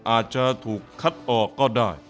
อาจจะถูกคัดออกก็ได้